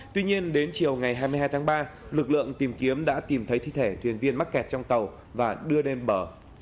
tuy nhiên đến chiều ngày hai mươi hai tháng ba lực lượng tìm kiếm đã tìm thấy thi thể thuyền viên mắc kẹt trong tàu và đưa lên bờ